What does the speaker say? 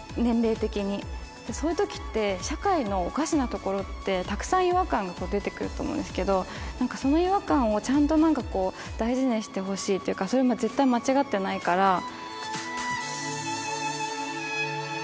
年齢的にそういうときって社会のおかしなところってたくさん違和感が出てくると思うんですけどその違和感をちゃんとなんか大事にしてほしいっていうかそれ絶対間違ってないから